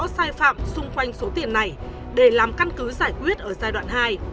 sai phạm xung quanh số tiền này để làm căn cứ giải quyết ở giai đoạn hai